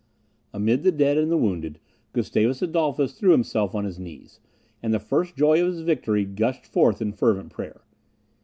Amid the dead and the wounded, Gustavus Adolphus threw himself on his knees; and the first joy of his victory gushed forth in fervent prayer.